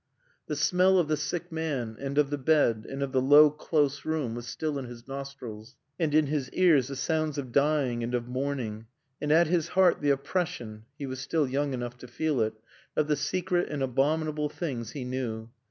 The smell of the sick man, and of the bed and of the low close room was still in his nostrils, and in his ears the sounds of dying and of mourning, and at his heart the oppression (he was still young enough to feel it) of the secret and abominable things he knew.